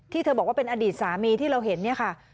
เธอบอกว่าเป็นอดีตสามีที่เราเห็นเนี่ยค่ะ